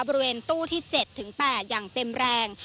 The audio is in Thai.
บริเวณตู้ที่๗๘อย่างเต็มแรง